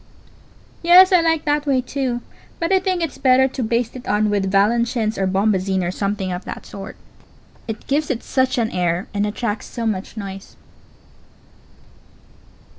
Yes, I like that way, too; but I think it's better to baste it on with Valenciennes or bombazine, or something of that sort. It gives it such an air and attracts so much noise. Pause.